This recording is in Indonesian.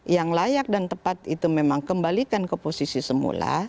yang layak dan tepat itu memang kembalikan ke posisi semula